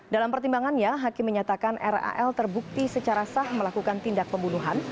dalam pertimbangannya hakim menyatakan ral terbukti secara sah melakukan tindak pembunuhan